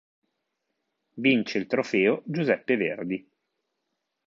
Vince il Trofeo Giuseppe Verdi.